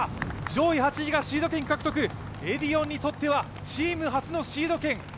上位８位がシード権獲得、エディオンにとってはチーム初のシード権。